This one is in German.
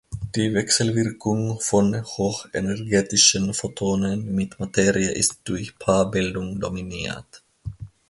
Die Wechselwirkung von hochenergetischen Photonen mit Materie ist durch Paarbildung dominiert.